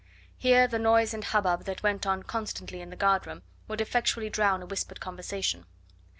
Here the noise and hubbub that went on constantly in the guard room would effectually drown a whispered conversation.